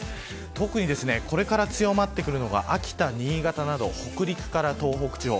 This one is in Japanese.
特にこれから強まってくるのが秋田、新潟など北陸から東北地方